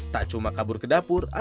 tak cuma kabur ke dapur